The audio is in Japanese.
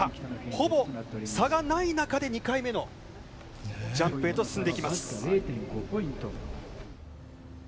ほぼ差がない中で、２回目のジャンプへと進んでいきます。